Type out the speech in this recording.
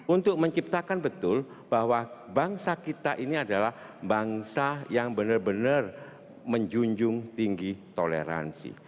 untuk menciptakan betul bahwa bangsa kita ini adalah bangsa yang benar benar menjunjung tinggi toleransi